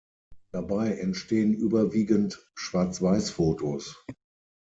Dabei entstehen überwiegend Schwarz-Weiß-Fotos.